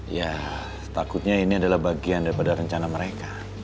ya takutnya ini adalah bagian daripada rencana mereka